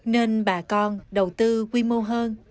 nên bà con đầu tư quy mô hơn